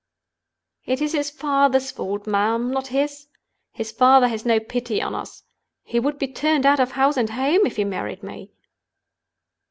"It is his father's fault, ma'am—not his. His father has no pity on us. He would be turned out of house and home if he married me."